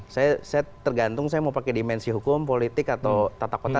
saya tergantung saya mau pakai dimensi hukum politik atau tata kota